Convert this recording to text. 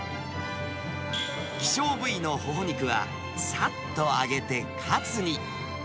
希少部位のホホ肉は、さっと揚げてカツに。